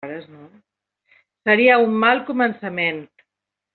Seria un mal començament.